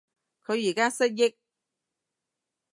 佢而家失憶